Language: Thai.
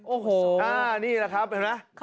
โอ้โหนี่แหละครับเห็นไหม